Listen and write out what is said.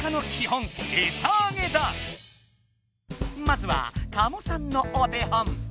まずは加茂さんのお手本！